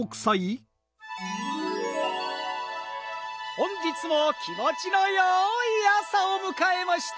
本日も気もちのよいあさをむかえました